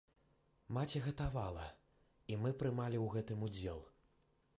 Маці гатавала, і мы прымалі ў гэтым удзел.